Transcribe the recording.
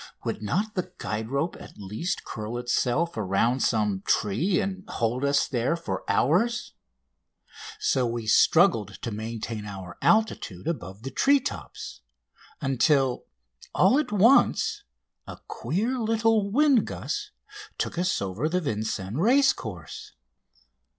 Would not the guide rope at least curl itself around some tree and hold us there for hours? So we struggled to maintain our altitude above the tree tops, until all at once a queer little wind gust took us over the Vincennes racecourse.